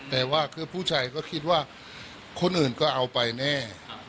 แต่ว่าคือผู้ชายก็คิดว่าคนอื่นก็เอาไปแน่